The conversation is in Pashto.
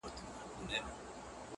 سیاه پوسي ده، اوښکي نڅېږي.